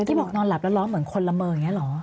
ที่บอกนอนหลับแล้วร้องเหมือนคนละเมออย่างนี้เหรอ